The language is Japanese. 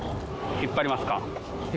引っ張ります？